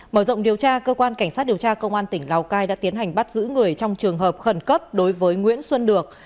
mở rộng điều tra cơ quan cảnh sát điều tra công an tỉnh lào cai đã tiến hành bắt giữ người trong trường hợp khẩn cấp đối với nguyễn xuân được